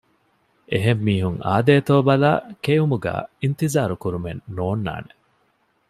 އެހެން މީހުން އާދޭތޯ ބަލައި ކެއުމުގައި އިންތިޒާރު ކުރުމެއް ނޯންނާނެ